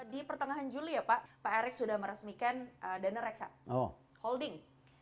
di pertengahan juli ya pak erick sudah meresmikan dana reksa holding